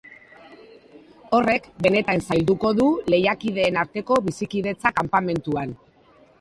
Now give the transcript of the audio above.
Horrek benetan zailduko du lehiakideen arteko bizikidetza kanpamentuan.